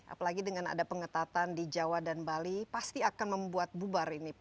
apalagi dengan ada pengetatan di jawa dan bali pasti akan membuat bubar ini